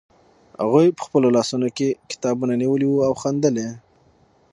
هغوی په خپلو لاسونو کې کتابونه نیولي وو او خندل یې.